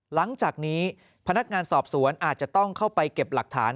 หลังจากนี้พนักงานสอบสวนอาจจะต้องเข้าไปเก็บหลักฐาน